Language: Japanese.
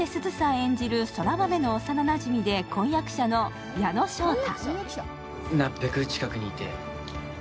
演じる空豆の幼なじみで婚約者の矢野翔太。